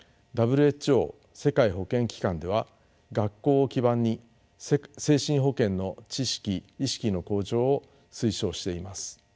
ＷＨＯ世界保健機関では学校を基盤に精神保健の知識意識の向上を推奨しています。